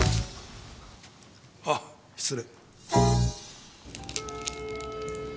あっ失礼。